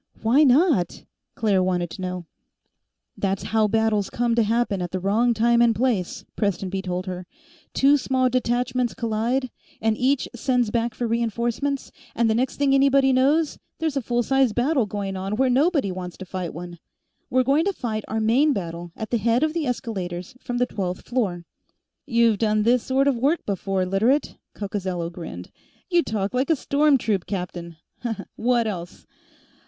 "Why not?" Claire wanted to know. "That's how battles come to happen at the wrong time and place," Prestonby told her. "Two small detachments collide, and each sends back for re enforcements, and the next thing anybody knows, there's a full size battle going on where nobody wants to fight one. We're going to fight our main battle at the head of the escalators from the twelfth floor." "You've done this sort of work before, Literate," Coccozello grinned. "You talk like a storm troop captain. What else?"